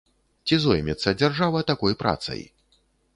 Ці зоймецца дзяржава такой працай?